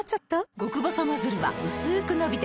極細ノズルはうすく伸びて